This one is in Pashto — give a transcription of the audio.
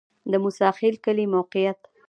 د موسی خیل کلی موقعیت